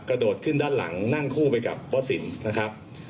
กระโดดขึ้นด้านหลังนั่งคู่ไปกับพ่อสินนะครับ